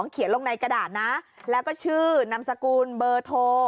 เขียนลงในกระดาษนะแล้วก็ชื่อนามสกุลเบอร์โทร